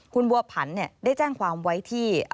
คุณบัวผันได้แจ้งความไว้ที่